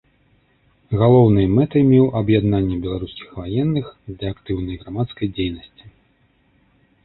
Галоўнай мэтай меў аб'яднанне беларускіх ваенных для актыўнай грамадскай дзейнасці.